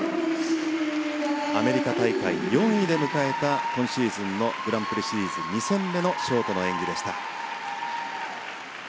アメリカ大会４位で迎えた今シーズンのグランプリシリーズ２戦目のショートの演技でした。